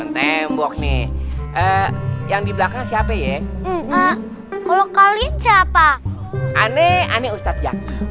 tembok nih yang di belakang siapa ya kalau kalian siapa aneh aneh ustadz